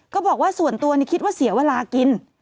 ก็บอกว่าส่วนตัวคิดว่าเสียเวลากิน